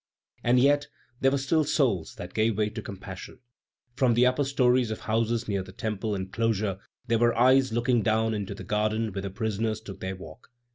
And yet there were still souls that gave way to compassion. From the upper stories of houses near the Temple enclosure there were eyes looking down into the garden when the prisoners took their walk.